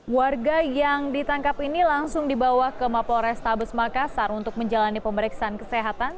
warga yang ditangkap ini langsung dibawa ke mapol restabes makassar untuk menjalani pemeriksaan kesehatan